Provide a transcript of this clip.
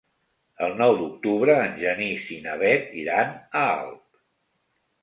El nou d'octubre en Genís i na Bet iran a Alp.